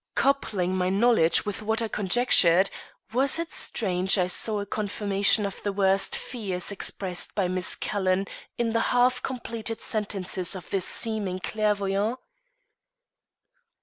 Coupling my knowledge with what I conjectured, was it strange I saw a confirmation of the worst fears expressed by Miss Calhoun in the half completed sentences of this seeming clairvoyant?